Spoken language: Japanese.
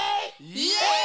イエイ！